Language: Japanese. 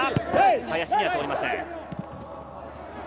林には通りません。